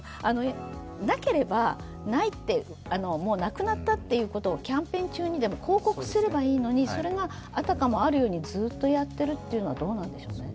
なければないって、もうなくなったっていうことをキャンペーン中にでも広告すればいいのにそれがあたかもあるように、ずっとやってるというのはどうなんですかね。